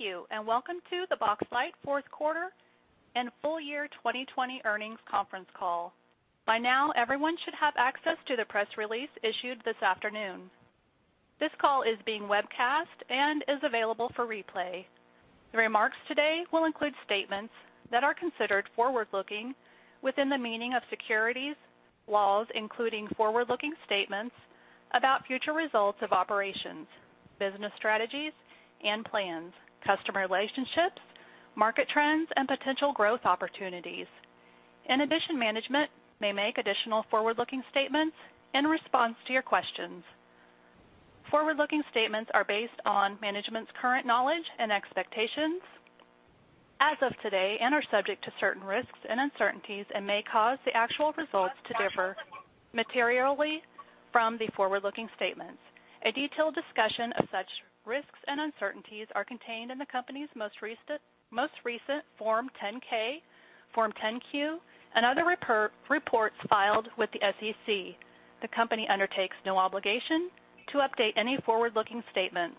Thank you, welcome to the Boxlight Fourth Quarter and Full Year 2020 Earnings Conference Call. By now, everyone should have access to the press release issued this afternoon. This call is being webcast and is available for replay. The remarks today will include statements that are considered forward-looking within the meaning of securities laws, including forward-looking statements about future results of operations, business strategies and plans, customer relationships, market trends, and potential growth opportunities. In addition, management may make additional forward-looking statements in response to your questions. Forward-looking statements are based on management's current knowledge and expectations as of today and are subject to certain risks and uncertainties and may cause the actual results to differ materially from the forward-looking statements. A detailed discussion of such risks and uncertainties are contained in the company's most recent Form 10-K, Form 10-Q, and other reports filed with the SEC. The company undertakes no obligation to update any forward-looking statements.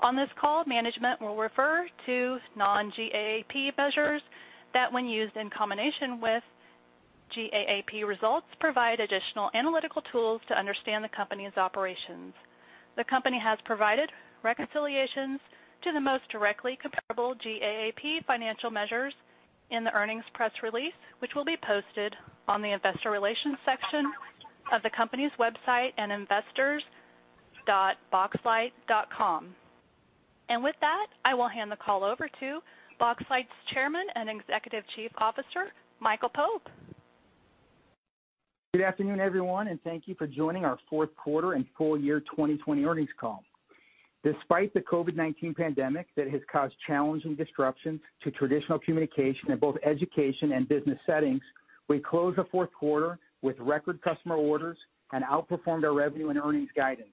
On this call, management will refer to non-GAAP measures that, when used in combination with GAAP results, provide additional analytical tools to understand the company's operations. The company has provided reconciliations to the most directly comparable GAAP financial measures in the earnings press release, which will be posted on the investor relations section of the company's website at investors.boxlight.com. With that, I will hand the call over to Boxlight's Chairman and Chief Executive Officer, Michael Pope. Good afternoon, everyone, and thank you for joining our fourth quarter and full year 2020 earnings call. Despite the COVID-19 pandemic that has caused challenge and disruption to traditional communication in both education and business settings, we closed the fourth quarter with record customer orders and outperformed our revenue and earnings guidance.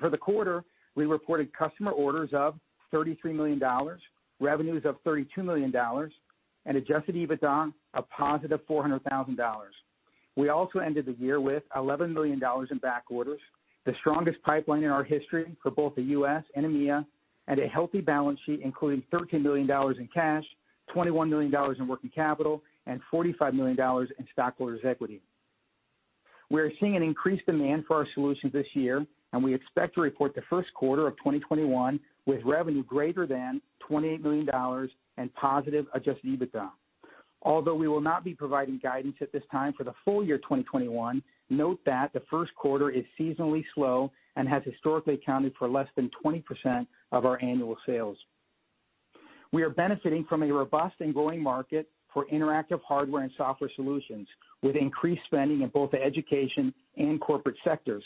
For the quarter, we reported customer orders of $33 million, revenues of $32 million, and Adjusted EBITDA of positive $400,000. We also ended the year with $11 million in backorders, the strongest pipeline in our history for both the U.S. and EMEA, and a healthy balance sheet, including $13 million in cash, $21 million in working capital, and $45 million in stockholders' equity. We are seeing an increased demand for our solutions this year, and we expect to report the first quarter of 2021 with revenue greater than $28 million and positive Adjusted EBITDA. Although we will not be providing guidance at this time for the full year 2021, note that the first quarter is seasonally slow and has historically accounted for less than 20% of our annual sales. We are benefiting from a robust and growing market for interactive hardware and software solutions, with increased spending in both the education and corporate sectors.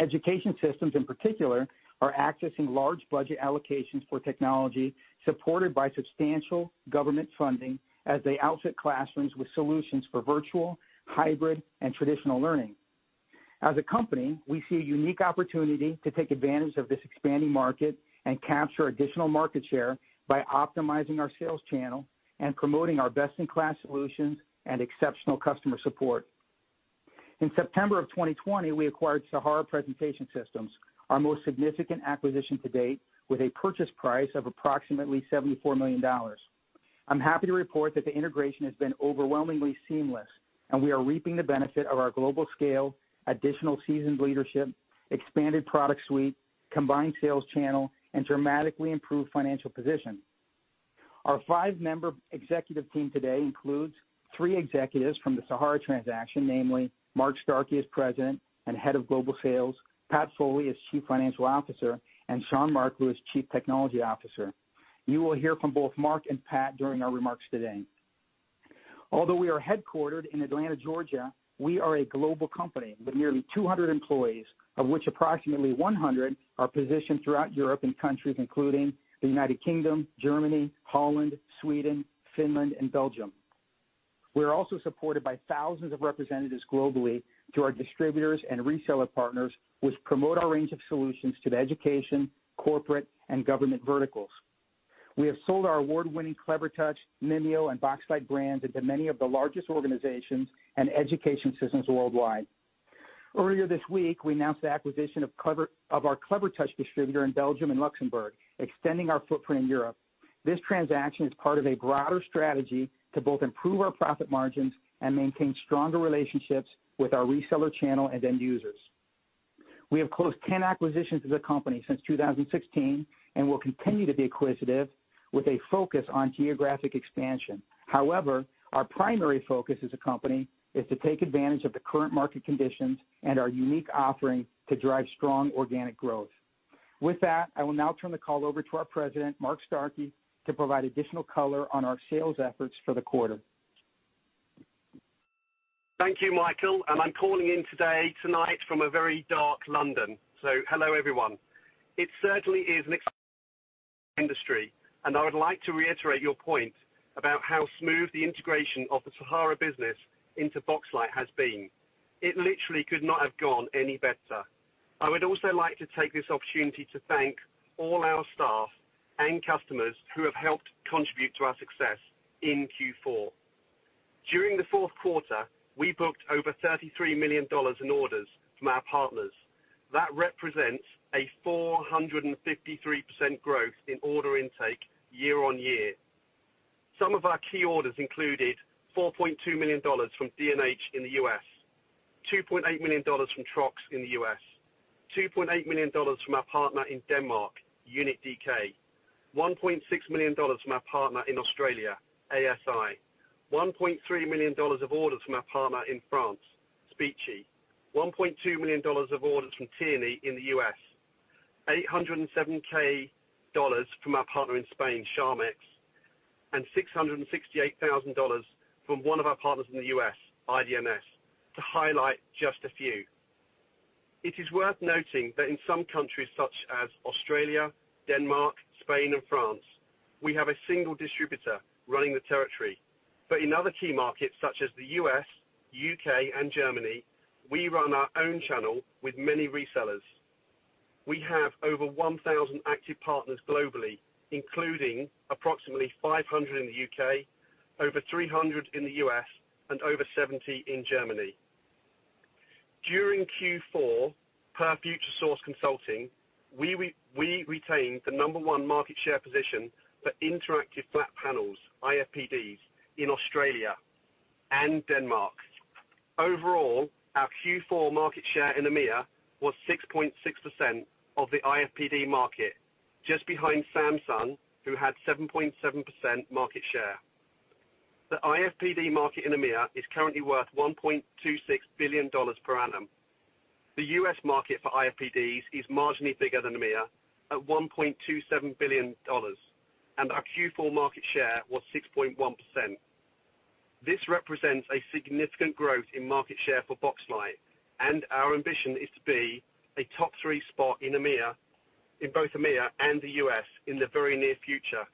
Education systems in particular are accessing large budget allocations for technology, supported by substantial government funding as they outfit classrooms with solutions for virtual, hybrid, and traditional learning. As a company, we see a unique opportunity to take advantage of this expanding market and capture additional market share by optimizing our sales channel and promoting our best-in-class solutions and exceptional customer support. In September of 2020, we acquired Sahara Presentation Systems, our most significant acquisition to date, with a purchase price of approximately $74 million. I'm happy to report that the integration has been overwhelmingly seamless, and we are reaping the benefit of our global scale, additional seasoned leadership, expanded product suite, combined sales channel, and dramatically improved financial position. Our five-member executive team today includes three executives from the Sahara transaction, namely Mark Starkey as President and Head of Global Sales, Patrick Foley as Chief Financial Officer, and Shaun Marklew as Chief Technology Officer. You will hear from both Mark and Patrick during our remarks today. Although we are headquartered in Atlanta, Georgia, we are a global company with nearly 200 employees, of which approximately 100 are positioned throughout Europe in countries including the United Kingdom, Germany, Holland, Sweden, Finland, and Belgium. We are also supported by thousands of representatives globally through our distributors and reseller partners, which promote our range of solutions to the education, corporate, and government verticals. We have sold our award-winning Clevertouch, Mimio, and Boxlight brands into many of the largest organizations and education systems worldwide. Earlier this week, we announced the acquisition of our Clevertouch distributor in Belgium and Luxembourg, extending our footprint in Europe. This transaction is part of a broader strategy to both improve our profit margins and maintain stronger relationships with our reseller channel and end users. We have closed 10 acquisitions as a company since 2016 and will continue to be acquisitive with a focus on geographic expansion. However, our primary focus as a company is to take advantage of the current market conditions and our unique offering to drive strong organic growth. With that, I will now turn the call over to our President, Mark Starkey, to provide additional color on our sales efforts for the quarter. Thank you, Michael. I'm calling in today, tonight, from a very dark London. Hello, everyone. It certainly is an exciting industry and I would like to reiterate your point about how smooth the integration of the Sahara business into Boxlight has been. It literally could not have gone any better. I would also like to take this opportunity to thank all our staff and customers who have helped contribute to our success in Q4. During the fourth quarter, we booked over $33 million in orders from our partners. That represents a 453% growth in order intake year-on-year. Some of our key orders included $4.2 million from D&H in the U.S., $2.8 million from Trox in the U.S., $2.8 million from our partner in Denmark, UNIT.DK, $1.6 million from our partner in Australia, ASI, $1.3 million of orders from our partner in France, Speechi, $1.2 million of orders from Tierney in the U.S., [$807,000] from our partner in Spain, Charmex Internacional, and $668,000 from one of our partners in the U.S., IDMS, to highlight just a few. It is worth noting that in some countries such as Australia, Denmark, Spain, and France, we have a single distributor running the territory. In other key markets such as the U.S., U.K., and Germany, we run our own channel with many resellers. We have over 1,000 active partners globally, including approximately 500 in the U.K., over 300 in the U.S., and over 70 in Germany. During Q4, per Futuresource Consulting, we retained the number one market share position for interactive flat panels, IFPDs, in Australia and Denmark. Overall, our Q4 market share in EMEA was 6.6% of the IFPD market, just behind Samsung, who had 7.7% market share. The IFPD market in EMEA is currently worth $1.26 billion per annum. The U.S. market for IFPDs is marginally bigger than EMEA at $1.27 billion, and our Q4 market share was 6.1%. This represents a significant growth in market share for Boxlight, and our ambition is to be a top three spot in both EMEA and the U.S. in the very near future,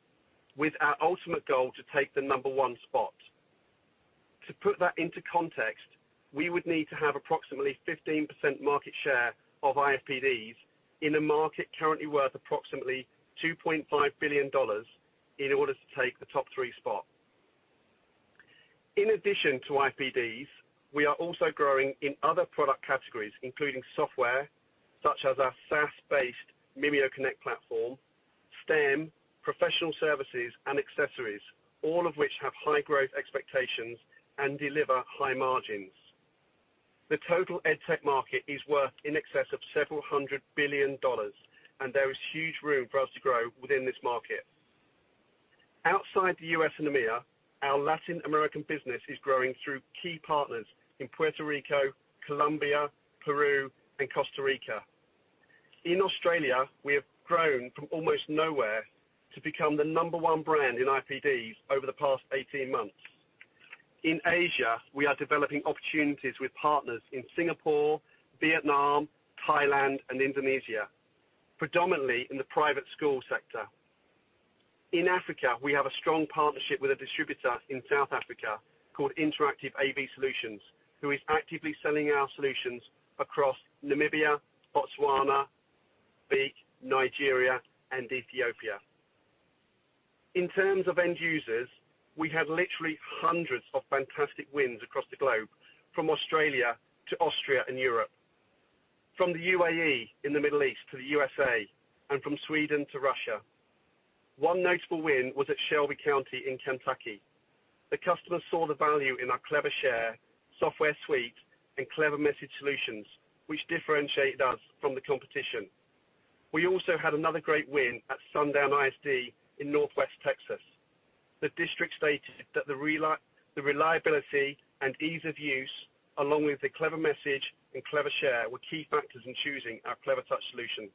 with our ultimate goal to take the number one spot. To put that into context, we would need to have approximately 15% market share of IFPDs in a market currently worth approximately $2.5 billion in order to take the top three spot. In addition to IFPDs, we are also growing in other product categories, including software such as our SaaS-based MimioConnect platform, STEM, professional services, and accessories, all of which have high growth expectations and deliver high margins. The total EdTech market is worth in excess of several hundred billion dollars, and there is huge room for us to grow within this market. Outside the U.S. and EMEA, our Latin American business is growing through key partners in Puerto Rico, Colombia, Peru, and Costa Rica. In Australia, we have grown from almost nowhere to become the number one brand in IFPDs over the past 18 months. In Asia, we are developing opportunities with partners in Singapore, Vietnam, Thailand, and Indonesia, predominantly in the private school sector. In Africa, we have a strong partnership with a distributor in South Africa called Interactive AV Solutions, who is actively selling our solutions across Namibia, Botswana, Benin, Nigeria, and Ethiopia. In terms of end users, we have literally hundreds of fantastic wins across the globe, from Australia to Austria and Europe, from the UAE in the Middle East to the USA, and from Sweden to Russia. One notable win was at Shelby County in Kentucky. The customer saw the value in our Clevershare software suite and CleverMessage solutions, which differentiate us from the competition. We also had another great win at Sundown ISD in Northwest Texas. The district stated that the reliability and ease of use, along with the CleverMessage and Clevershare, were key factors in choosing our Clevertouch solution.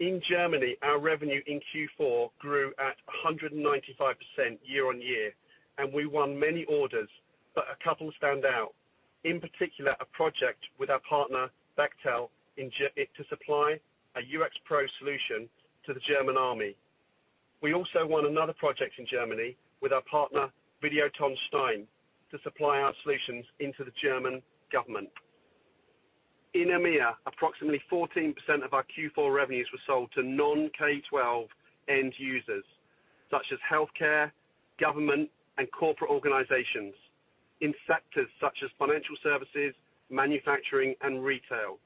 In Germany, our revenue in Q4 grew at 195% year-on-year, and we won many orders, but a couple stand out. In particular, a project with our partner Bechtle to supply a UX Pro solution to the German Army. We also won another project in Germany with our partner VIDEOTON Stein to supply our solutions into the German government. In EMEA, approximately 14% of our Q4 revenues were sold to non K-12 end users, such as healthcare, government, and corporate organizations in sectors such as financial services, manufacturing, and retail.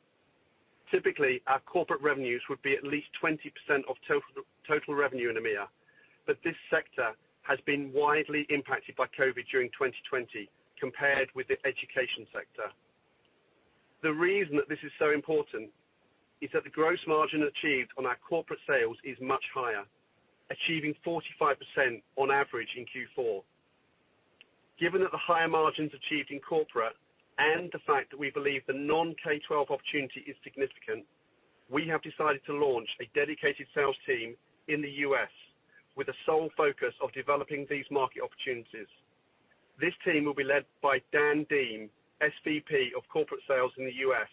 Typically, our corporate revenues would be at least 20% of total revenue in EMEA, but this sector has been widely impacted by COVID during 2020 compared with the education sector. The reason that this is so important is that the gross margin achieved on our corporate sales is much higher, achieving 45% on average in Q4. Given that the higher margins achieved in corporate and the fact that we believe the non K-12 opportunity is significant, we have decided to launch a dedicated sales team in the U.S. with the sole focus of developing these market opportunities. This team will be led by Dan Deem, SVP of corporate sales in the U.S.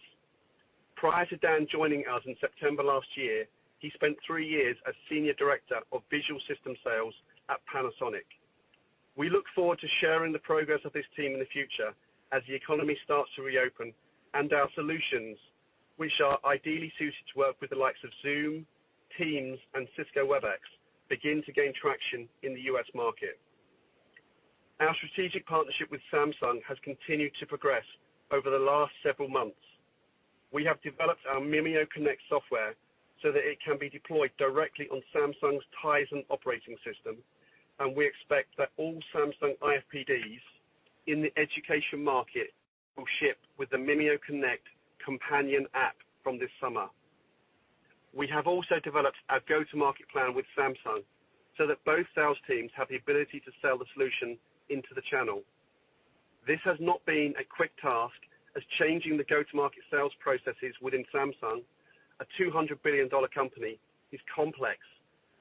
Prior to Dan joining us in September last year, he spent three years as senior director of visual system sales at Panasonic. We look forward to sharing the progress of this team in the future as the economy starts to reopen and our solutions, which are ideally suited to work with the likes of Zoom, Teams, and Cisco Webex, begin to gain traction in the U.S. market. Our strategic partnership with Samsung has continued to progress over the last several months. We have developed our MimioConnect software so that it can be deployed directly on Samsung's Tizen operating system, and we expect that all Samsung IFPDs in the education market will ship with the MimioConnect companion app from this summer. We have also developed our go-to-market plan with Samsung so that both sales teams have the ability to sell the solution into the channel. This has not been a quick task, as changing the go-to-market sales processes within Samsung, a $200 billion company, is complex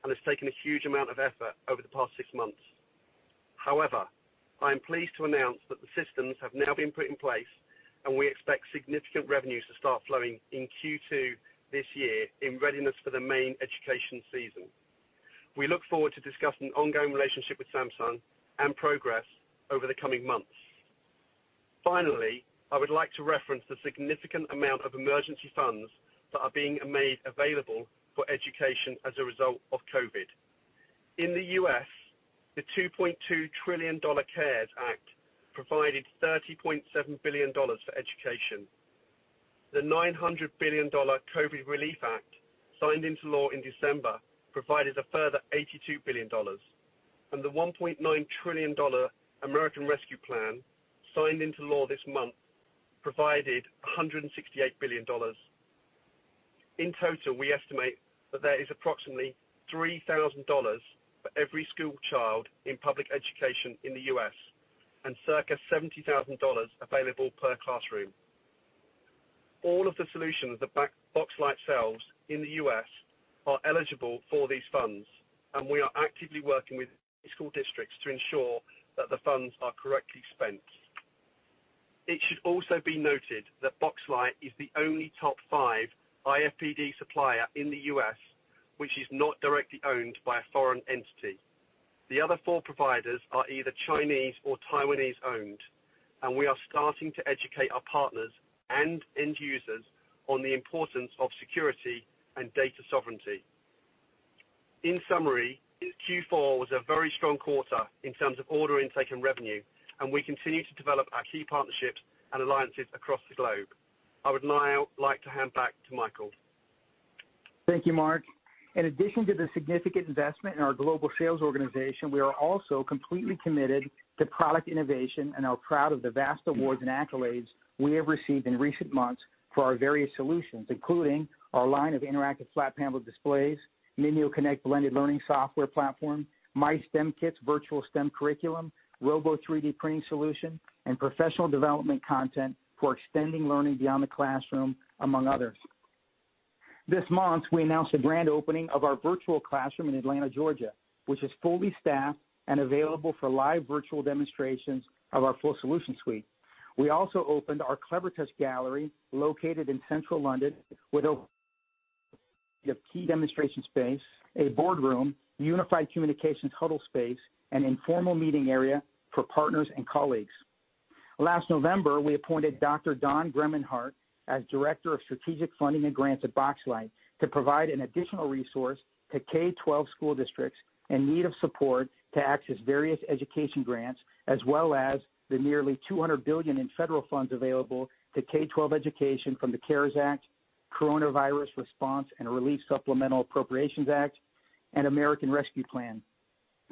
and has taken a huge amount of effort over the past six months. However, I am pleased to announce that the systems have now been put in place, and we expect significant revenues to start flowing in Q2 this year in readiness for the main education season. We look forward to discussing the ongoing relationship with Samsung and progress over the coming months. Finally, I would like to reference the significant amount of emergency funds that are being made available for education as a result of COVID. In the U.S., the $2.2 trillion CARES Act provided $30.7 billion for education. The $900 billion COVID Relief Act, signed into law in December, provided a further $82 billion. The $1.9 trillion American Rescue Plan, signed into law this month, provided $168 billion. In total, we estimate that there is approximately $3,000 for every school child in public education in the U.S. and circa $70,000 available per classroom. All of the solutions that Boxlight sells in the U.S. are eligible for these funds. We are actively working with school districts to ensure that the funds are correctly spent. It should also be noted that Boxlight is the only top five IFPD supplier in the U.S. which is not directly owned by a foreign entity. The other four providers are either Chinese or Taiwanese-owned, and we are starting to educate our partners and end users on the importance of security and data sovereignty. In summary, Q4 was a very strong quarter in terms of order intake and revenue, and we continue to develop our key partnerships and alliances across the globe. I would now like to hand back to Michael. Thank you, Mark. In addition to the significant investment in our global sales organization, we are also completely committed to product innovation and are proud of the vast awards and accolades we have received in recent months for our various solutions, including our line of interactive flat panel displays, MimioConnect blended learning software platform, MyStemKits virtual STEM curriculum, Robo 3D printing solution, and professional development content for extending learning beyond the classroom, among others. This month, we announced the grand opening of our virtual classroom in Atlanta, Georgia, which is fully staffed and available for live virtual demonstrations of our full solution suite. We also opened our Clevertouch Gallery, located in central London, with a key demonstration space, a boardroom, unified communications huddle space, and informal meeting area for partners and colleagues. Last November, we appointed Dr. Don Gemeinhardt as Director of Strategic Funding and Grants at Boxlight to provide an additional resource to K-12 school districts in need of support to access various education grants, as well as the nearly $200 billion in federal funds available to K-12 education from the CARES Act, Coronavirus Response and Relief Supplemental Appropriations Act, and American Rescue Plan.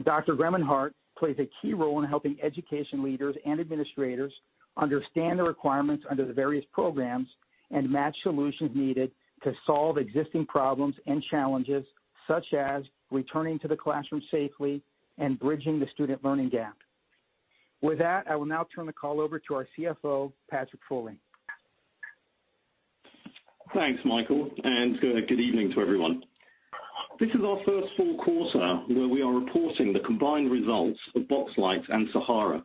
Dr. Gemeinhardt plays a key role in helping education leaders and administrators understand the requirements under the various programs and match solutions needed to solve existing problems and challenges, such as returning to the classroom safely and bridging the student learning gap. With that, I will now turn the call over to our CFO, Patrick Foley. Thanks, Michael. Good evening to everyone. This is our first full quarter where we are reporting the combined results of Boxlight and Sahara.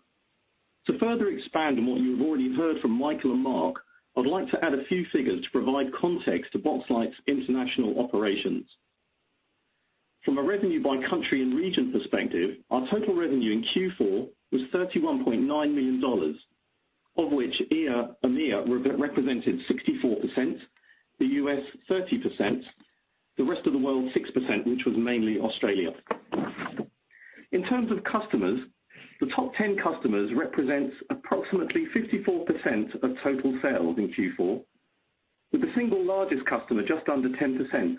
To further expand on what you have already heard from Michael and Mark, I'd like to add a few figures to provide context to Boxlight's international operations. From a revenue by country and region perspective, our total revenue in Q4 was $31.9 million, of which EMEA represented 64%, the U.S. 30%, the rest of the world 6%, which was mainly Australia. In terms of customers, the top 10 customers represent approximately 54% of total sales in Q4, with the single largest customer just under 10%.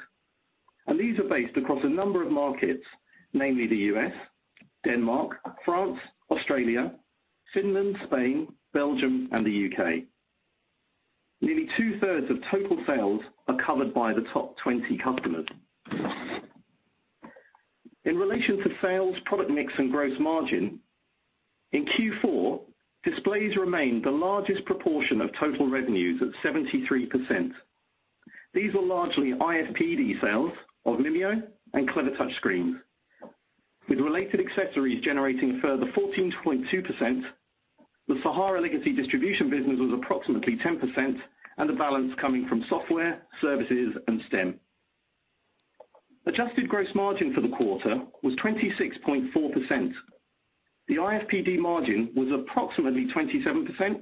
These are based across a number of markets, namely the U.S., Denmark, France, Australia, Finland, Spain, Belgium, and the U.K. Nearly two-thirds of total sales are covered by the top 20 customers. In relation to sales, product mix, and gross margin, in Q4, displays remained the largest proportion of total revenues at 73%. These were largely IFPD sales of Mimio and Clevertouch screens, with related accessories generating a further 14.2%. The Sahara legacy distribution business was approximately 10%, and the balance coming from software, services, and STEM. Adjusted gross margin for the quarter was 26.4%. The IFPD margin was approximately 27%,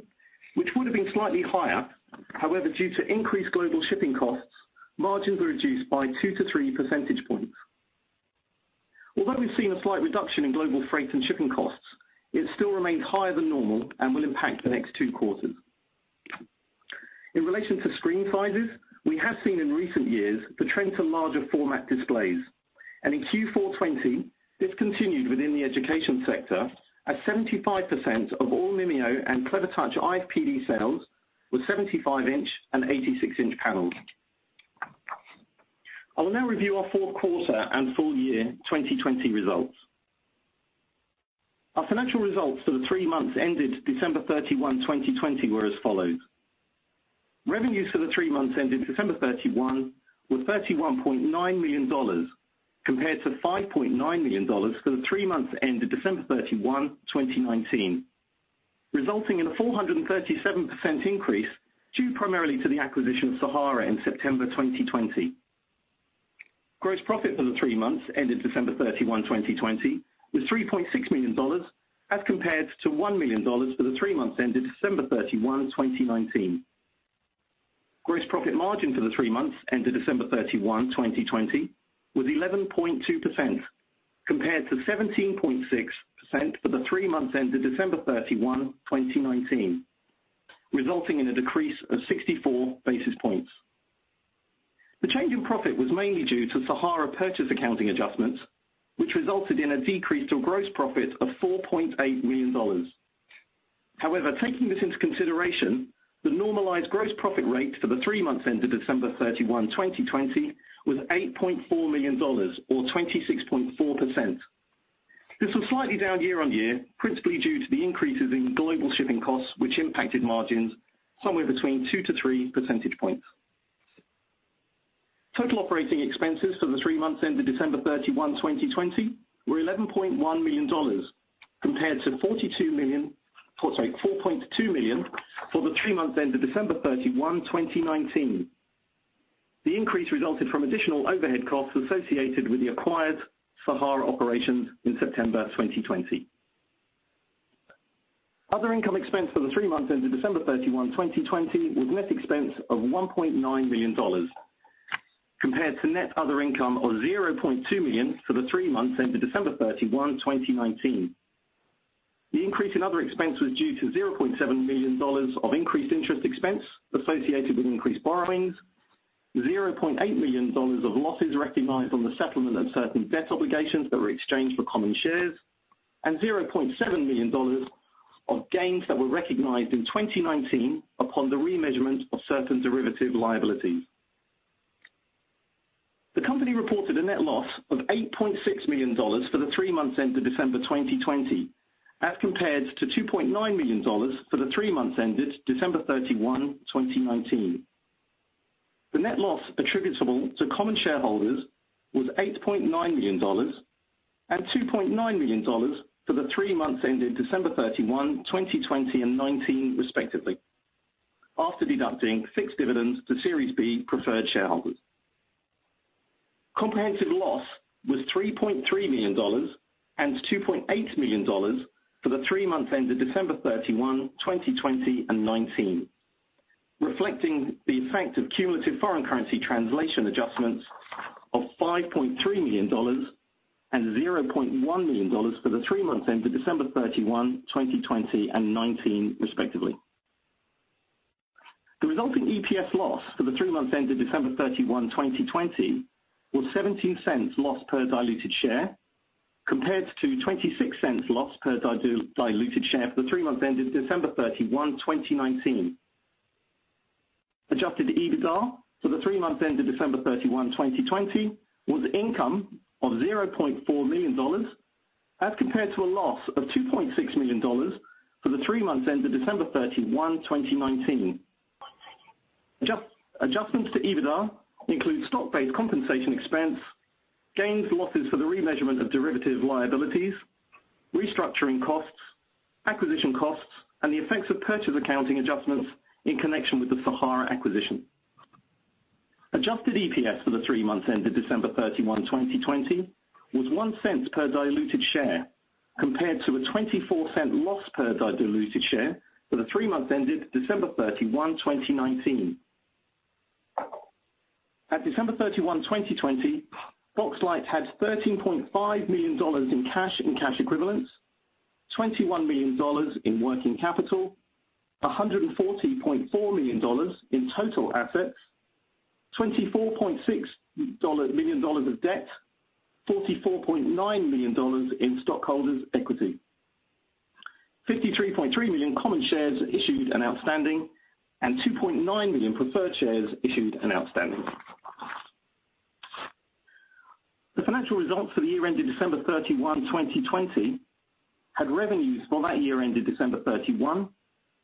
which would have been slightly higher, however, due to increased global shipping costs, margins were reduced by two to three percentage points. Although we've seen a slight reduction in global freight and shipping costs, it still remains higher than normal and will impact the next two quarters. In relation to screen sizes, we have seen in recent years the trend to larger format displays, and in Q4 2020, this continued within the education sector as 75% of all Mimio and Clevertouch IFPD sales were 75-inch and 86-inch panels. I will now review our fourth quarter and full year 2020 results. Our financial results for the three months ended December 31, 2020, were as follows. Revenues for the three months ended December 31 were $31.9 million compared to $5.9 million for the three months ended December 31, 2019, resulting in a 437% increase due primarily to the acquisition of Sahara in September 2020. Gross profit for the three months ended December 31, 2020, was $3.6 million as compared to $1 million for the three months ended December 31, 2019. Gross profit margin for the three months ended December 31, 2020, was 11.2% compared to 17.6% for the three months ended December 31, 2019, resulting in a decrease of 64 basis points. The change in profit was mainly due to Sahara purchase accounting adjustments, which resulted in a decrease to gross profit of $4.8 million. However, taking this into consideration, the normalized gross profit rate for the three months ended December 31, 2020, was $8.4 million or 26.4%. This was slightly down year-over-year, principally due to the increases in global shipping costs, which impacted margins somewhere between two to three percentage points. Total operating expenses for the three months ended December 31, 2020, were $11.1 million, compared to $4.2 million for the three months ended December 31, 2019. The increase resulted from additional overhead costs associated with the acquired Sahara operations in September 2020. Other income expense for the three months ended December 31, 2020, was net expense of $1.9 million compared to net other income of $0.2 million for the three months ended December 31, 2019. The increase in other expense was due to $0.7 million of increased interest expense associated with increased borrowings, $0.8 million of losses recognized on the settlement of certain debt obligations that were exchanged for common shares, and $0.7 million of gains that were recognized in 2019 upon the remeasurement of certain derivative liabilities. The company reported a net loss of $8.6 million for the three months ended December 2020 as compared to $2.9 million for the three months ended December 31, 2019. The net loss attributable to common shareholders was $8.9 million and $2.9 million for the three months ended December 31, 2020 and 2019 respectively, after deducting fixed dividends to Series B preferred shareholders. Comprehensive loss was $3.3 million and $2.8 million for the three months ended December 31, 2020 and 2019, reflecting the effect of cumulative foreign currency translation adjustments of $5.3 million and $0.1 million for the three months ended December 31, 2020 and 2019 respectively. The resulting EPS loss for the three months ended December 31, 2020, was $0.17 loss per diluted share, compared to $0.26 loss per diluted share for the three months ended December 31, 2019. Adjusted EBITDA for the three months ended December 31, 2020, was income of $0.4 million as compared to a loss of $2.6 million for the three months ended December 31, 2019. Adjustments to EBITDA include stock-based compensation expense, gains, losses for the remeasurement of derivative liabilities, restructuring costs, acquisition costs, and the effects of purchase accounting adjustments in connection with the Sahara acquisition. Adjusted EPS for the three months ended December 31, 2020, was $0.01 per diluted share, compared to a $0.24 loss per diluted share for the three months ended December 31, 2019. At December 31, 2020, Boxlight had $13.5 million in cash and cash equivalents, $21 million in working capital, $114.4 million in total assets, $24.6 million of debt, $44.9 million in stockholders' equity, 53.3 million common shares issued and outstanding, and 2.9 million preferred shares issued and outstanding. The financial results for the year ended December 31, 2020, had revenues for that year ended December 31,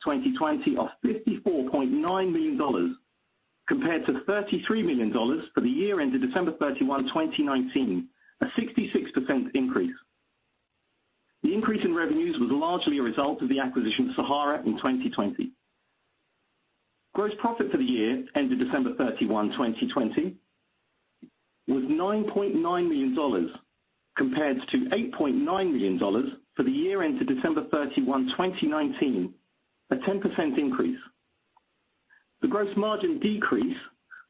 2020, of $54.9 million compared to $33 million for the year ended December 31, 2019, a 66% increase. The increase in revenues was largely a result of the acquisition of Sahara in 2020. Gross profit for the year ended December 31, 2020 was $9.9 million compared to $8.9 million for the year ended December 31, 2019, a 10% increase. The gross margin decrease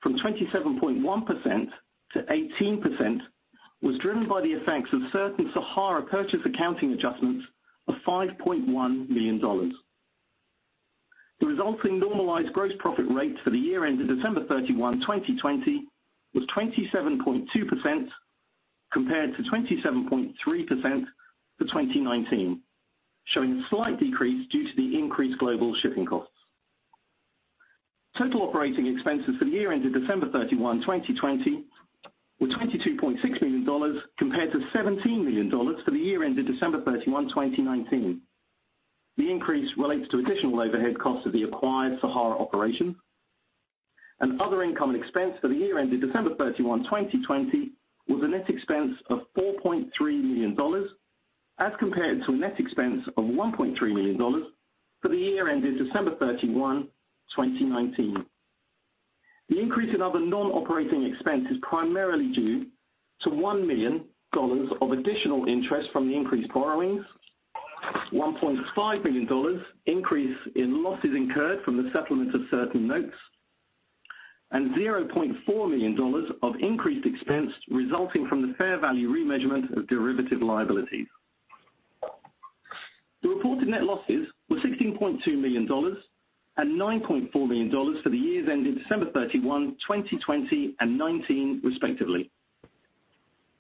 from 27.1% to 18% was driven by the effects of certain Sahara purchase accounting adjustments of $5.1 million. The resulting normalized gross profit rate for the year ended December 31, 2020, was 27.2% compared to 27.3% for 2019, showing a slight decrease due to the increased global shipping costs. Total operating expenses for the year ended December 31, 2020, were $22.6 million compared to $17 million for the year ended December 31, 2019. The increase relates to additional overhead costs of the acquired Sahara operation and other income and expense for the year ended December 31, 2020, was a net expense of $4.3 million as compared to a net expense of $1.3 million for the year ended December 31, 2019. The increase in other non-operating expense is primarily due to $1 million of additional interest from the increased borrowings, $1.5 million increase in losses incurred from the settlement of certain notes, and $0.4 million of increased expense resulting from the fair value remeasurement of derivative liabilities. The reported net losses were $16.2 million and $9.4 million for the years ended December 31, 2020 and 2019, respectively.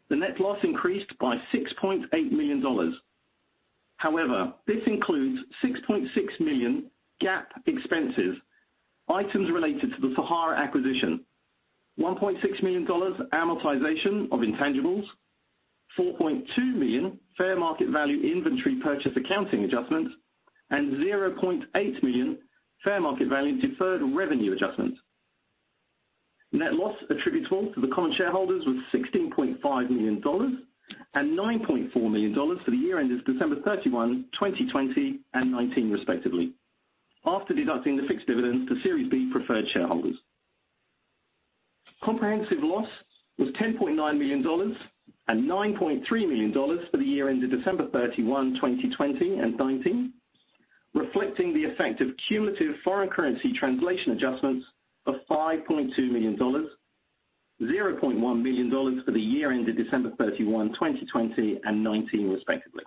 The net loss increased by $6.8 million. However, this includes $6.6 million GAAP expenses, items related to the Sahara acquisition, $1.6 million amortization of intangibles, $4.2 million fair market value inventory purchase accounting adjustments, and $0.8 million fair market value deferred revenue adjustments. Net loss attributable to the common shareholders was $16.5 million and $9.4 million for the year ended December 31, 2020 and 2019, respectively, after deducting the fixed dividends to Series B preferred shareholders. Comprehensive loss was $10.9 million and $9.3 million for the year ended December 31, 2020 and 2019, reflecting the effect of cumulative foreign currency translation adjustments of $5.2 million, $0.1 million for the year ended December 31, 2020 and 2019, respectively.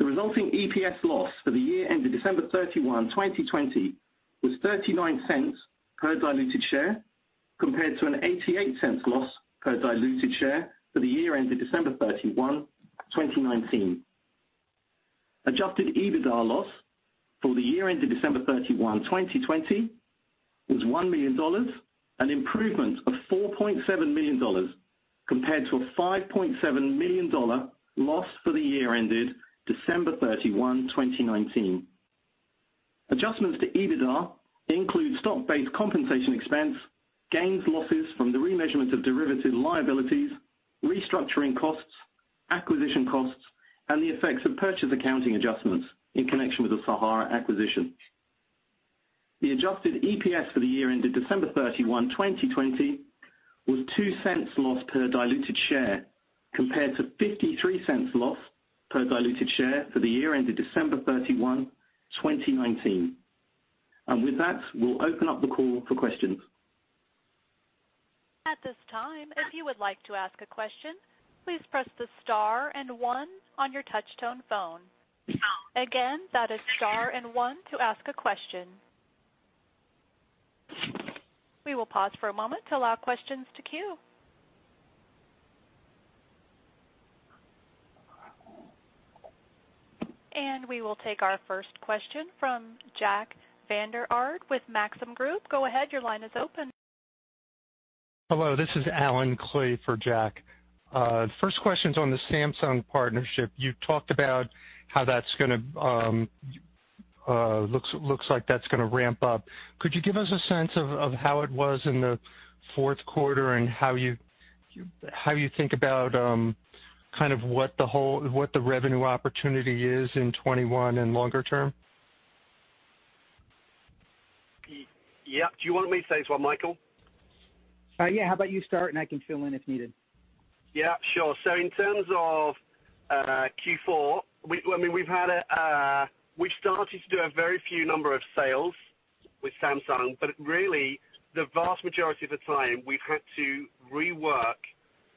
The resulting EPS loss for the year ended December 31, 2020, was $0.39 per diluted share, compared to an $0.88 loss per diluted share for the year ended December 31, 2019. Adjusted EBITDA loss for the year ended December 31, 2020, was $1 million, an improvement of $4.7 million compared to a $5.7 million loss for the year ended December 31, 2019. Adjustments to EBITDA include stock-based compensation expense, gains, losses from the remeasurement of derivative liabilities, restructuring costs, acquisition costs, and the effects of purchase accounting adjustments in connection with the Sahara acquisition. The adjusted EPS for the year ended December 31, 2020, was $0.02 loss per diluted share, compared to $0.53 loss per diluted share for the year ended December 31, 2019. With that, we'll open up the call for questions. At this time, if you would like to ask a question, please press the star and one on your touch-tone phone. Again, that is star and one to ask a question. We will pause for a moment to allow questions to queue and we will take our first question from Jack Vander Aarde with Maxim Group. Go ahead, your line is open. Hello, this is Allen Klee for Jack. First question's on the Samsung partnership. You talked about how that's going to -- it looks like that's going to ramp up. Could you give us a sense of how it was in the fourth quarter and how you think about kind of what the revenue opportunity is in 2021 and longer term? Yeah. Do you want me to say this one, Michael? Yeah. How about you start and I can fill in if needed? Yeah, sure. In terms of Q4, we started to do a very few number of sales with Samsung, but really the vast majority of the time we've had to rework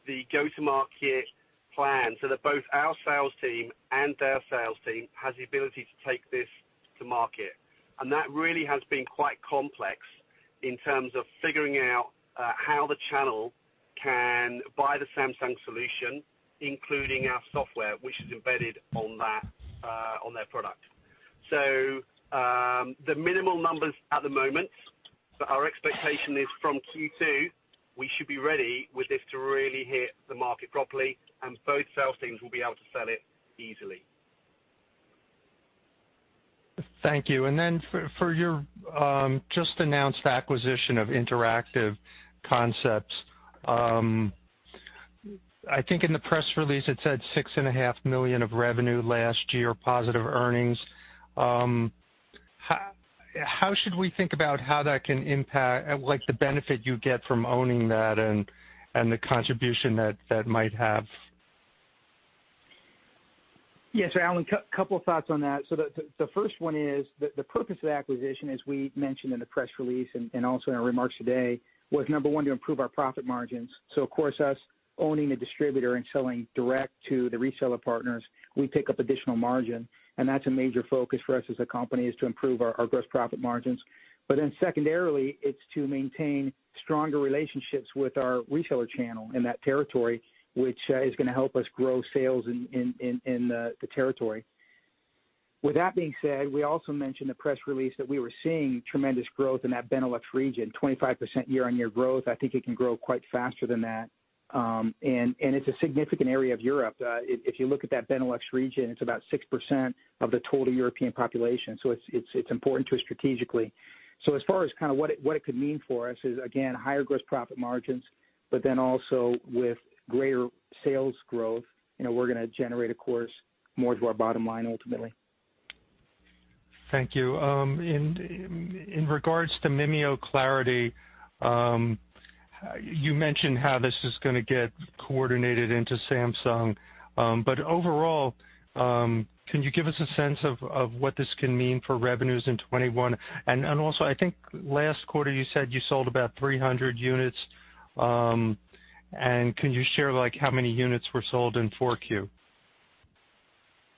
the go-to-market plan so that both our sales team and their sales team has the ability to take this to market. That really has been quite complex in terms of figuring out how the channel can buy the Samsung solution, including our software, which is embedded on their product. The minimal numbers at the moment, but our expectation is from Q2, we should be ready with this to really hit the market properly, and both sales teams will be able to sell it easily. Thank you. Then, for your just-announced acquisition of Interactive Concepts, I think in the press release it said $6.4 million of revenue last year, positive earnings. How should we think about how that can impact -- like the benefit you get from owning that and the contribution that might have? Yes, Allen Klee, couple of thoughts on that. The first one is the purpose of the acquisition, as we mentioned in the press release and also in our remarks today, was number one, to improve our profit margins. Of course, us owning a distributor and selling direct to the reseller partners, we pick up additional margin, and that's a major focus for us as a company is to improve our gross profit margins. Secondarily, it's to maintain stronger relationships with our reseller channel in that territory, which is going to help us grow sales in the territory. With that being said, we also mentioned the press release that we were seeing tremendous growth in that Benelux region, 25% year-on-year growth. I think it can grow quite faster than that. It's a significant area of Europe. If you look at that Benelux region, it's about 6% of the total European population. It's important to us strategically. As far as what it could mean for us is, again, higher gross profit margins, but then also with greater sales growth, we're going to generate, of course, more to our bottom line ultimately. Thank you. In regards to MimioClarity, you mentioned how this is going to get coordinated into Samsung, but overall, can you give us a sense of what this can mean for revenues in 2021? Also, I think last quarter you said you sold about 300 units and can you share like how many units were sold in 4Q?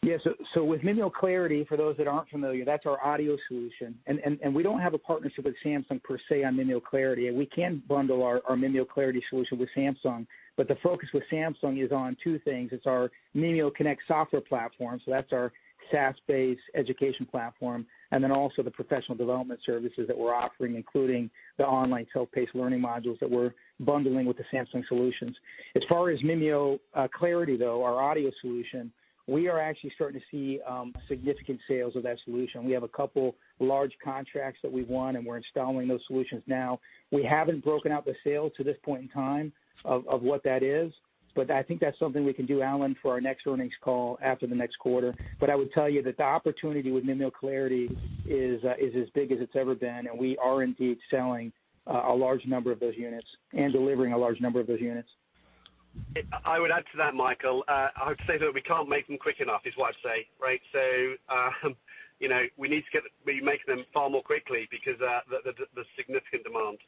Yes, with MimioClarity, for those that aren't familiar, that's our audio solution and we don't have a partnership with Samsung per se on MimioClarity. We can bundle our MimioClarity solution with Samsung, but the focus with Samsung is on two things. It's our MimioConnect software platform, that's our SaaS-based education platform, and also the professional development services that we're offering, including the online self-paced learning modules that we're bundling with the Samsung solutions. As far as MimioClarity, though, our audio solution, we are actually starting to see significant sales of that solution. We have a couple large contracts that we won, and we're installing those solutions now. We haven't broken out the sale to this point in time of what that is, but I think that's something we can do, Allen Klee, for our next earnings call after the next quarter. I would tell you that the opportunity with MimioClarity is as big as it's ever been, and we are indeed selling a large number of those units and delivering a large number of those units. I would add to that, Michael. I would say that we can't make them quick enough, is what I'd say, right? We need to be making them far more quickly because of the significant demand.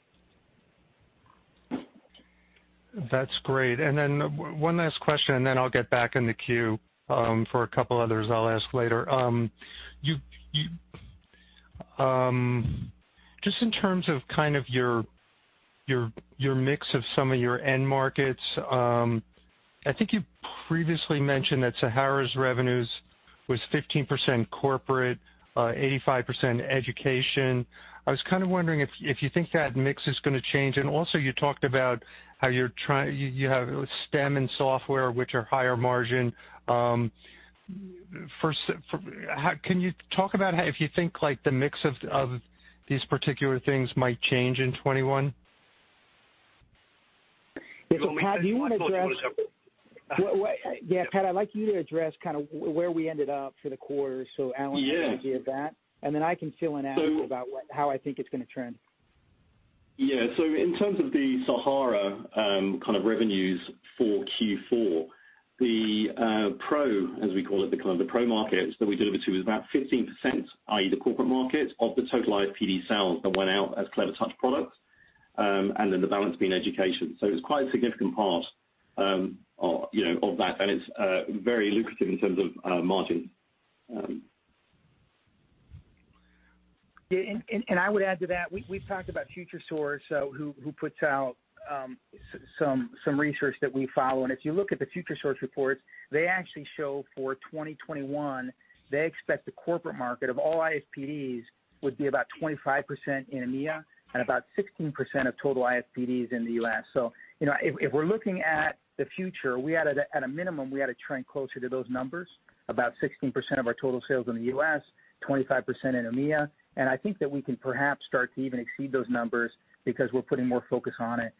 That's great and then one last question, then I'll get back in the queue for a couple others I'll ask later. Just in terms of your mix of some of your end markets, I think you previously mentioned that Sahara's revenues was 15% corporate, 85% education. I was kind of wondering if you think that mix is going to change. Also you talked about how you have STEM and software, which are higher margin. Can you talk about if you think like the mix of these particular things might change in 2021? Yeah. Pat, I'd like you to address kind of where we ended up for the quarter, so Allen Klee can get that. Yeah. Then, I can fill in after about how I think it's going to trend. Yeah. In terms of the Sahara kind of revenues for Q4, the Pro, as we call it, the kind of the Pro markets that we deliver to is about 15%, i.e. the corporate market of the total IFPD sales that went out as Clevertouch products, and then the balance being education. It was quite a significant part, you know, of that, and it's very lucrative in terms of margin. Yeah. I would add to that, we've talked about Futuresource, who puts out some research that we follow, and if you look at the Futuresource reports, they actually show for 2021, they expect the corporate market of all IFPDs would be about 25% in EMEA and about 16% of total IFPDs in the U.S. If we're looking at the future, at a minimum, we had to trend closer to those numbers, about 16% of our total sales in the U.S., 25% in EMEA. I think that we can perhaps start to even exceed those numbers because we're putting more focus on it.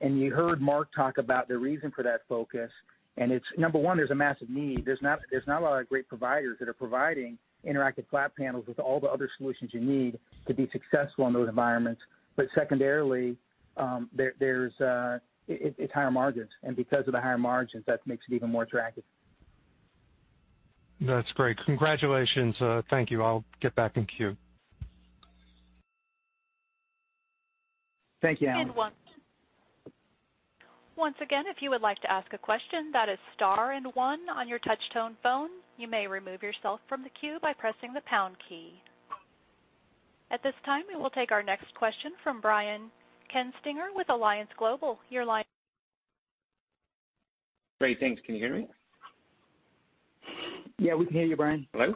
You heard Mark talk about the reason for that focus, and it's number one, there's a massive need. There's not a lot of great providers that are providing interactive flat panels with all the other solutions you need to be successful in those environments. Secondarily, it's higher margins, and because of the higher margins, that makes it even more attractive. That's great. Congratulations. Thank you. I'll get back in queue. Thank you, Allen Klee. Once again, if you would like to ask a question, that is star and one on your touch-tone phone. You may remove yourself from the queue by pressing the pound key. At this time, we will take our next question from Brian Kinstlinger with Alliance Global Partners. Your line is open. Great. Thanks. Can you hear me? Yeah, we can hear you, Brian. Hello?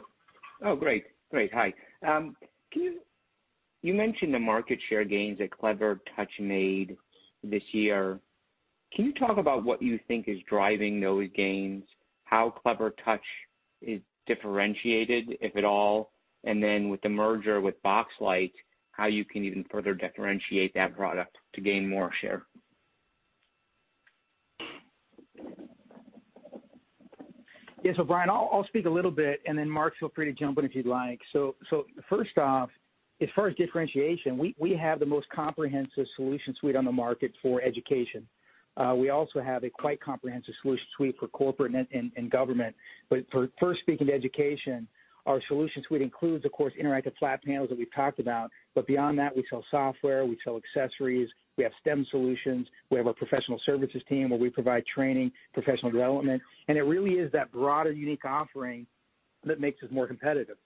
Oh, great. Great. Hi. You mentioned the market share gains that Clevertouch made this year. Can you talk about what you think is driving those gains? How Clevertouch is differentiated, if at all, and then with the merger with Boxlight, how you can even further differentiate that product to gain more share? Yes. Brian, I'll speak a little bit, and then Mark, feel free to jump in if you'd like. First off, as far as differentiation, we have the most comprehensive solution suite on the market for education. We also have a quite comprehensive solution suite for corporate and government. First speaking to education, our solution suite includes, of course, interactive flat panels that we've talked about, but beyond that, we sell software, we sell accessories, we have STEM solutions. We have a professional services team where we provide training, professional development, and it really is that broader, unique offering that makes us more competitive.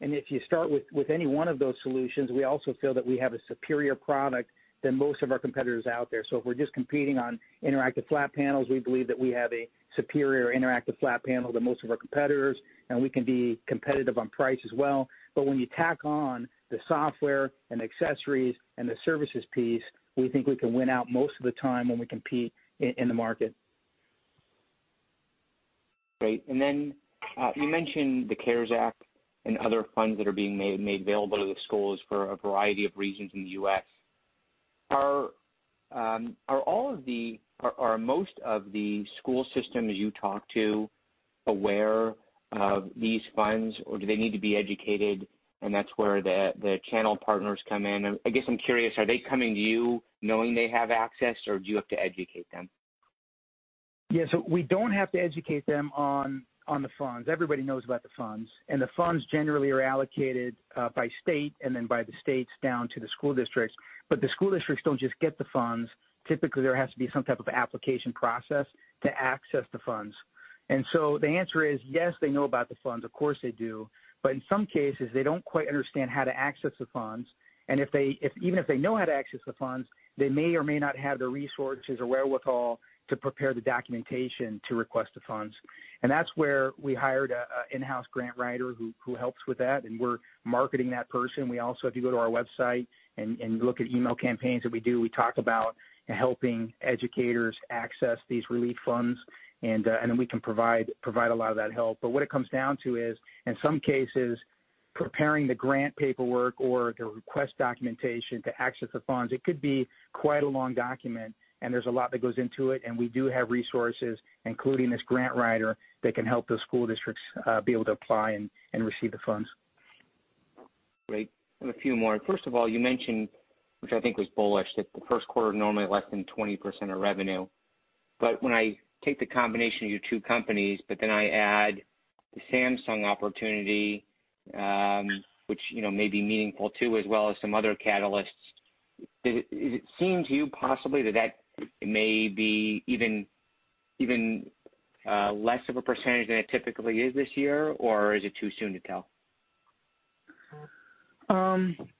If you start with any one of those solutions, we also feel that we have a superior product than most of our competitors out there. If we're just competing on interactive flat panels, we believe that we have a superior interactive flat panel than most of our competitors, and we can be competitive on price as well. When you tack on the software and accessories and the services piece, we think we can win out most of the time when we compete in the market. Great and then, you mentioned the CARES Act and other funds that are being made available to the schools for a variety of reasons in the U.S. Are most of the school systems you talk to aware of these funds, or do they need to be educated and that's where the channel partners come in? I guess I'm curious, are they coming to you knowing they have access or do you have to educate them? Yes, so we don't have to educate them on the funds. Everybody knows about the funds and the funds generally are allocated by state and then by the states down to the school districts, but the school districts don't just get the funds. Typically, there has to be some type of application process to access the funds. The answer is yes, they know about the funds, of course they do, but in some cases, they don't quite understand how to access the funds. Even if they know how to access the funds, they may or may not have the resources or wherewithal to prepare the documentation to request the funds. That's where we hired an in-house grant writer who helps with that, and we're marketing that person. We also, if you go to our website and look at email campaigns that we do, we talk about helping educators access these relief funds, and then we can provide a lot of that help. What it comes down to is, in some cases, preparing the grant paperwork or the request documentation to access the funds, it could be quite a long document, and there's a lot that goes into it. We do have resources, including this grant writer, that can help the school districts be able to apply and receive the funds. Great. I have a few more. First of all, you mentioned, which I think was bullish, that the first quarter is normally less than 20% of revenue. When I take the combination of your two companies, but then I add the Samsung opportunity, which, you know, may be meaningful too, as well as some other catalysts, does it seem to you possibly that that may be even less of a percentage than it typically is this year, or is it too soon to tell?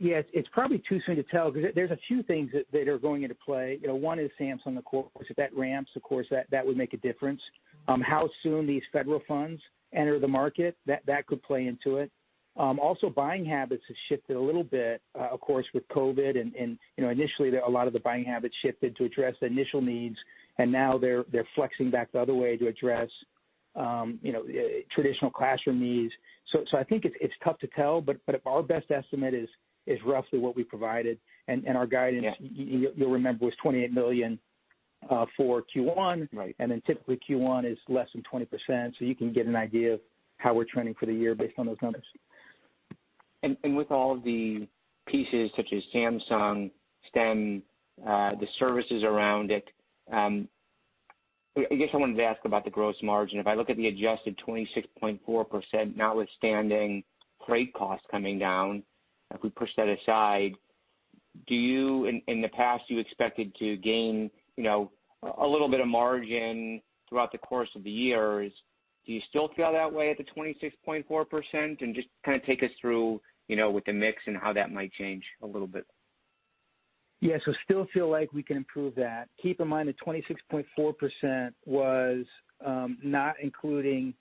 Yes, it's probably too soon to tell, because there's a few things that are going into play. One is Samsung, of course. If that ramps, of course, that would make a difference. How soon these federal funds enter the market, that could play into it. Also, buying habits have shifted a little bit, of course, with COVID, and initially, a lot of the buying habits shifted to address the initial needs, and now they're flexing back the other way to address, you know, traditional classroom needs. I think it's tough to tell, but our best estimate is roughly what we provided and our guidance you'll remember, was $28 million for Q1. Right. Typically, Q1 is less than 20%, so you can get an idea of how we're trending for the year based on those numbers. With all of the pieces such as Samsung, STEM, the services around it, I guess I wanted to ask about the gross margin. If I look at the adjusted 26.4%, notwithstanding freight costs coming down, if we push that aside, do you, in the past, you expected to gain, you know, a little bit of margin throughout the course of the years. Do you still feel that way at the 26.4%? And just kind of take us through, you know, with the mix and how that might change a little bit. Yeah. Still feel like we can improve that. Keep in mind that 26.4% was not including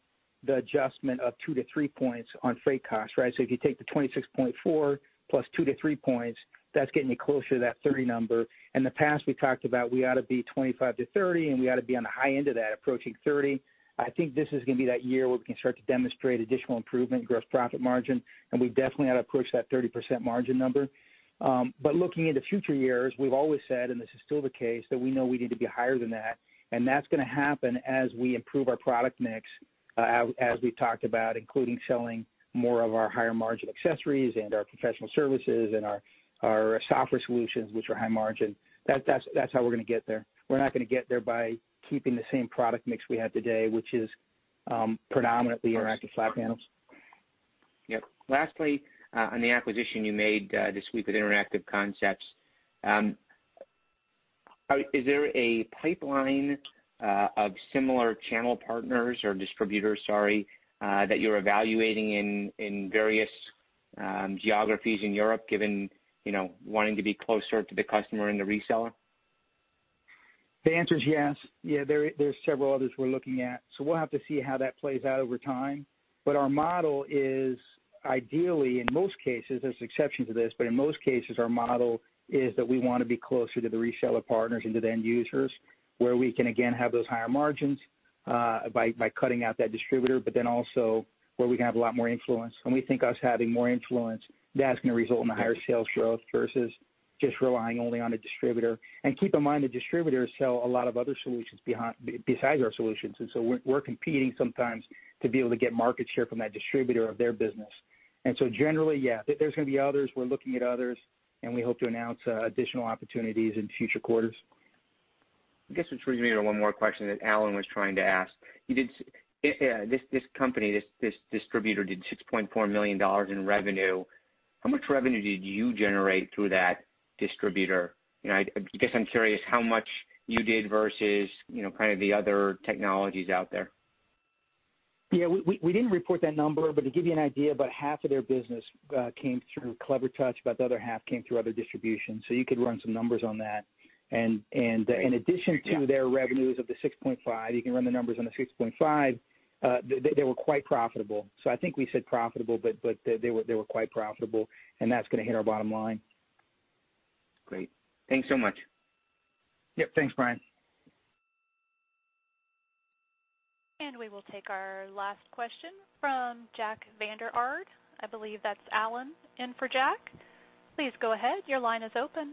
the adjustment of two to three points on freight costs, right? If you take the 26.4 plus two to three points, that's getting you closer to that 30 number. In the past, we talked about we ought to be 25-30, and we ought to be on the high end of that, approaching 30. I think this is going to be that year where we can start to demonstrate additional improvement in gross profit margin, and we definitely ought to approach that 30% margin number. But looking into future years, we've always said, and this is still the case, that we know we need to be higher than that, and that's going to happen as we improve our product mix, as we've talked about, including selling more of our higher margin accessories and our professional services and our software solutions, which are high margin. That's how we're going to get there. We're not going to get there by keeping the same product mix we have today, which is predominantly interactive flat panels. Yep. Lastly, on the acquisition you made this week with Interactive Concepts, is there a pipeline of similar channel partners or distributors, sorry, that you're evaluating in various geographies in Europe, given, you know, wanting to be closer to the customer and the reseller? The answer is yes. There's several others we're looking at. We'll have to see how that plays out over time. Our model is ideally, in most cases, there's exceptions to this, but in most cases, our model is that we want to be closer to the reseller partners and to the end users, where we can, again, have those higher margins, by cutting out that distributor, but then also where we can have a lot more influence. We think us having more influence, that's going to result in the higher sales growth versus just relying only on a distributor. Keep in mind, the distributors sell a lot of other solutions besides our solutions, and so we're competing sometimes to be able to get market share from that distributor of their business and so generally, yeah, there's going to be others. We're looking at others, and we hope to announce additional opportunities in future quarters. I guess this brings me to one more question that Allen Klee was trying to ask. This company, this distributor, did $6.4 million in revenue. How much revenue did you generate through that distributor? I guess I'm curious how much you did versus, you know, the kind of other technologies out there. Yeah. We didn't report that number, but to give you an idea, about half of their business came through Clevertouch, but the other half came through other distributions. You could run some numbers on that. In addition to their revenues of the $6.4, you can run the numbers on the $6.4, they were quite profitable. I think we said profitable, but they were quite profitable, and that's going to hit our bottom line. Great. Thanks so much. Yep. Thanks, Brian. We will take our last question from Jack Vander Aarde. I believe that's Allen in for Jack. Please go ahead. Your line is open.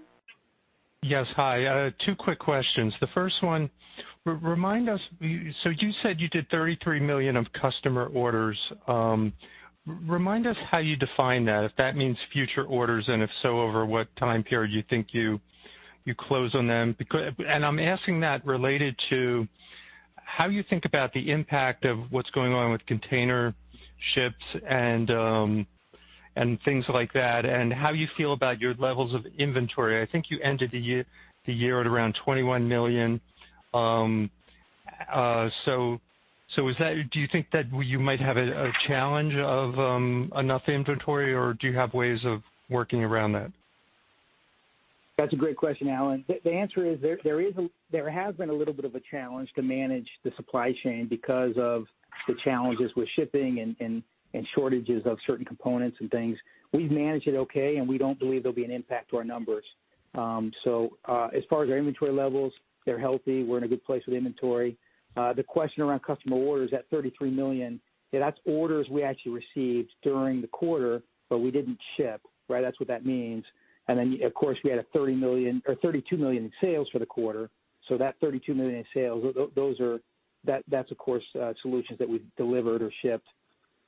Yes. Hi. Two quick questions. The first one, remind us, you said you did $33 million of customer orders. Remind us how you define that, if that means future orders, and if so, over what time period you think you close on them. I'm asking that related to how you think about the impact of what's going on with container ships and things like that, and how you feel about your levels of inventory. I think you ended the year at around $21 million. Do you think that you might have a challenge of enough inventory, or do you have ways of working around that? That's a great question, Allen Klee. The answer is there has been a little bit of a challenge to manage the supply chain because of the challenges with shipping and shortages of certain components and things. We've managed it okay, and we don't believe there'll be an impact to our numbers. As far as our inventory levels, they're healthy. We're in a good place with inventory. The question around customer orders, that $33 million, that's orders we actually received during the quarter, but we didn't ship. That's what that means. Of course, we had $32 million in sales for the quarter. That $32 million in sales, that's, of course, solutions that we've delivered or shipped.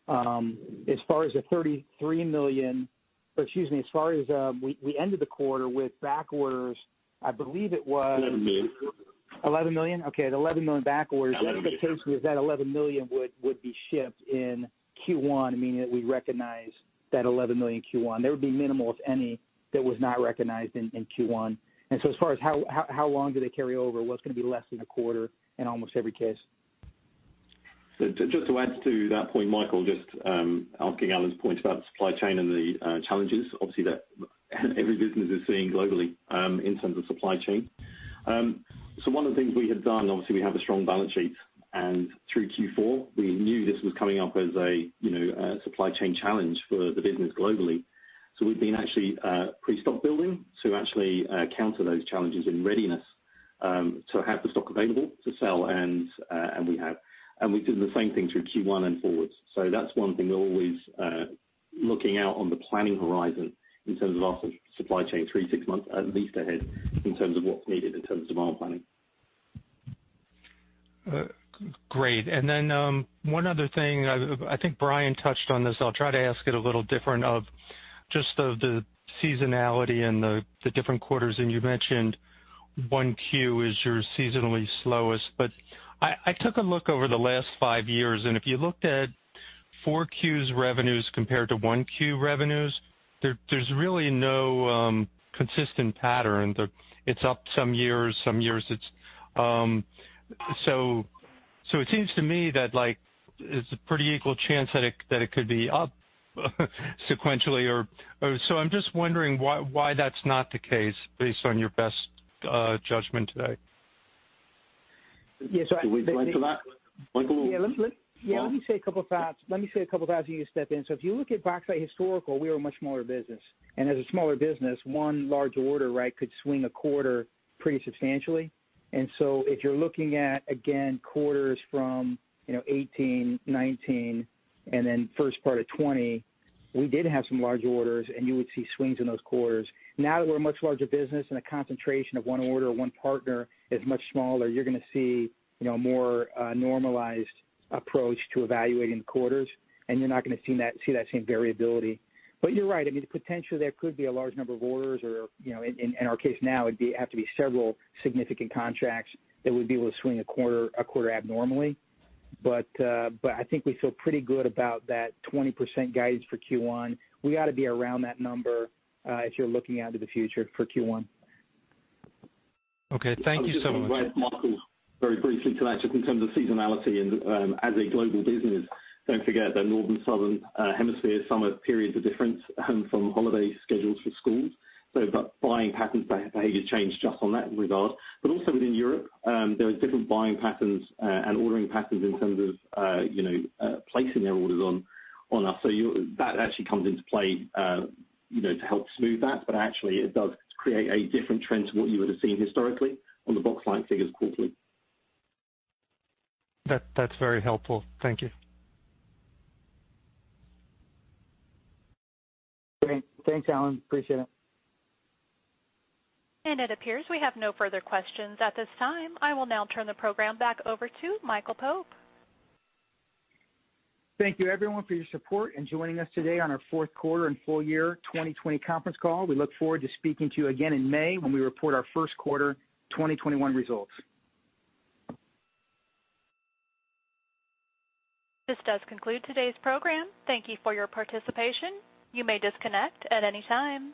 As far as the $33 million or excuse me, as far as we ended the quarter with back orders, I believe it was -- $11 million. $11 million? Okay, the $11 million back orders. $11 million. The expectation is that $11 million would be shipped in Q1, meaning that we recognize that $11 million in Q1. There would be minimal, if any, that was not recognized in Q1. As far as how long do they carry over, well, it's going to be less than a quarter in almost every case. Just to add to that point, Michael, just asking Allen Klee's point about supply chain and the challenges, obviously, that every business is seeing globally in terms of supply chain. One of the things we have done, obviously, we have a strong balance sheet, and through Q4, we knew this was coming up as a, you know, supply chain challenge for the business globally. We've been actually pre-stock building to actually counter those challenges in readiness to have the stock available to sell, and we have. We've done the same thing through Q1 and forwards. That's one thing we're always looking out on the planning horizon in terms of our supply chain three, six months at least ahead in terms of what's needed in terms of our planning. Great. Then one other thing, I think Brian Kinstlinger touched on this. I'll try to ask it a little different of just the seasonality and the different quarters. You mentioned 1Q is your seasonally slowest, but I took a look over the last five years, and if you looked at 4Q's revenues compared to 1Q revenues, there's really no consistent pattern. It's up some years. It seems to me that it's a pretty equal chance that it could be up sequentially. I'm just wondering why that's not the case based on your best judgment today. Yeah. Do we want to that, Michael? Let me say a couple of thoughts, and you step in. If you look at Boxlight historical, we were a much smaller business. As a smaller business, one large order could swing a quarter pretty substantially. If you're looking at, again, quarters from 2018, 2019, and then first part of 2020, we did have some large orders, and you would see swings in those quarters. Now that we're a much larger business and the concentration of one order or one partner is much smaller, you're going to see, you know, a more normalized approach to evaluating quarters, and you're not going to see that same variability, but you're right. Potentially, there could be a large number of orders, or in our case now, it'd have to be several significant contracts that would be able to swing a quarter abnormally. I think we feel pretty good about that 20% guidance for Q1. We ought to be around that number if you're looking out to the future for Q1. Okay. Thank you so much. I'll just add, Michael, very briefly to that, just in terms of seasonality and as a global business, don't forget the northern, southern hemisphere summer periods are different from holiday schedules for schools. Buying patterns, behavior change just on that regard. Also within Europe, there are different buying patterns and ordering patterns in terms of placing their orders on us. That actually comes into play to help smooth that. Actually, it does create a different trend to what you would have seen historically on the Boxlight figures quarterly. That's very helpful. Thank you. Great. Thanks, Allen Klee. Appreciate it. It appears we have no further questions at this time. I will now turn the program back over to Michael Pope. Thank you, everyone, for your support and joining us today on our fourth quarter and full year 2020 conference call. We look forward to speaking to you again in May when we report our first quarter 2021 results. This does conclude today's program. Thank you for your participation. You may disconnect at any time.